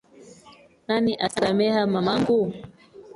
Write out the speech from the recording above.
Nani asameha mamangu?